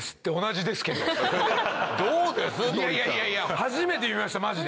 初めて見ましたマジで。